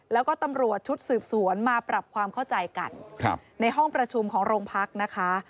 แล้วก็ตำรวจชุดสืบสวนมาปรับความเข้าใจกันในห้องประชุมของโรงพักนะคะ